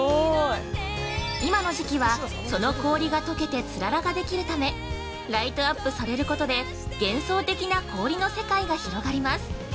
今の時期は、その氷がとけてつららができるためライトアップされることで幻想的な氷の世界が広がります。